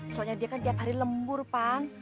soalnya dia kan tiap hari lembur pan